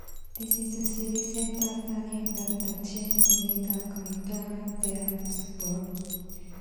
This is the city center stadium that the team need to recover their support.